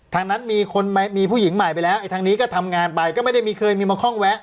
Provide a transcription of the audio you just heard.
ทางนั้นมีคนมีผู้หญิงใหม่ไปแล้วทางนี้ก็ทำงานไปก็ไม่ได้มีเคยมีมาคล่องแวะ